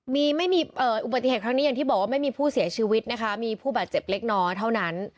มีไม่มีอุบัติเหตุครั้งนี้อย่างที่บอกว่าไม่มีผู้เสียชีวิตนะคะมีผู้บาดเจ็บเล็กน้อยเท่านั้น